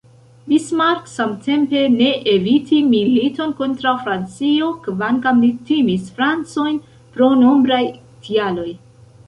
Bismarck, samtempe, ne eviti militon kontraŭ Francio, kvankam li timis Francojn pro nombraj tialoj.